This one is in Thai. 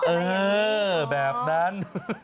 เออแบบนั้น